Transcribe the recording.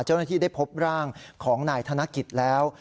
เจ้าหน้าที่ได้พบร่างของนายธนกิจแล้ว